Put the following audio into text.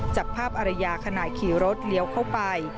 จับภาพอารยาขณะขี่รถเลี้ยวเข้าไป